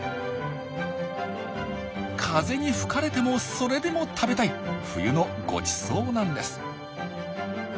風に吹かれてもそれでも食べたい冬のごちそうなんです。